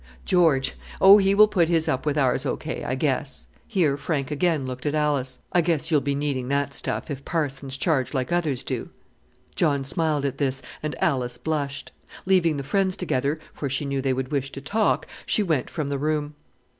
"George! Oh, he will put his up with ours O.K., I guess." Here Frank again looked at Alice. "I guess you'll be needing that stuff if parsons charge like other folks do!" John smiled at this, and Alice blushed. Leaving the friends together, for she knew they would wish to talk, she went from the room.